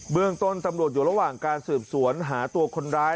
เมืองต้นตำรวจอยู่ระหว่างการสืบสวนหาตัวคนร้าย